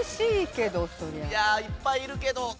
いやあいっぱいいるけど。